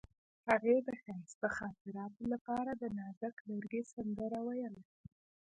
هغې د ښایسته خاطرو لپاره د نازک لرګی سندره ویله.